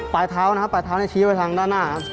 ปลายเท้านะครับปลายเท้าชี้ไว้ทางด้านหน้าครับ